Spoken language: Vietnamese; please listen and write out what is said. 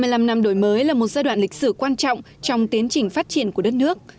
ba mươi năm năm đổi mới là một giai đoạn lịch sử quan trọng trong tiến trình phát triển của đất nước